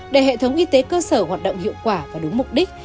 để hệ thống y tế cơ sở hoạt động hiệu quả và đúng mục đích